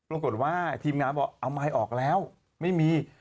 ปรากฏว่าทีมงานบอกเอาไมค์ออกแล้วไม่มี